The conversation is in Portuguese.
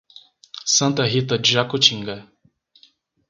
Santa Rita de Jacutinga